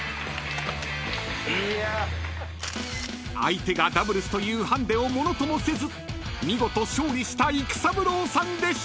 ［相手がダブルスというハンディをものともせず見事勝利した育三郎さんでした］